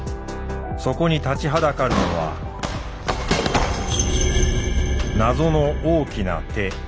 そこに立ちはだかるのは謎の大きな手！